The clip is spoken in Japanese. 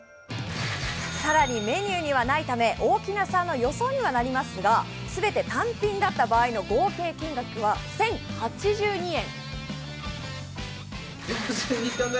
さらにメニューにはないため大木奈さんの予想にはなりますが全て単品だった場合の合計金額は１０８２円。